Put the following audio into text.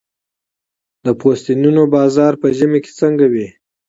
د پوستینونو بازار په ژمي کې څنګه وي؟